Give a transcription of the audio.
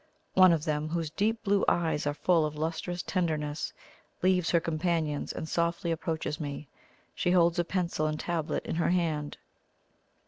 One of them, whose deep blue eyes are full of lustrous tenderness, leaves her companions, and softly approaches me. She holds a pencil and tablet in her hand.